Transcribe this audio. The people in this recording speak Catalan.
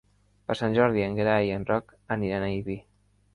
Per Sant Jordi en Gerai i en Roc aniran a Ibi.